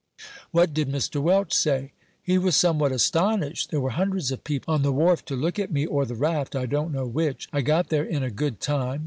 "What did Mr. Welch say?" "He was somewhat astonished. There were hundreds of people on the wharf to look at me or the raft, I don't know which. I got there in a good time.